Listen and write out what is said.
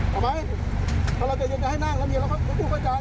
กลับตอบแฟนแล้วละหุ้น